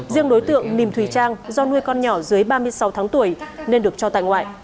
riêng đối tượng nìm thùy trang do nuôi con nhỏ dưới ba mươi sáu tháng tuổi nên được cho tại ngoại